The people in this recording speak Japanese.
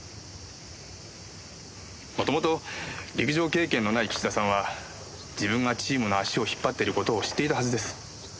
もともと陸上経験のない岸田さんは自分がチームの足を引っ張ってる事を知っていたはずです。